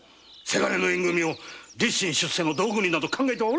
せがれの縁組みを出世の道具になど考えておらぬ。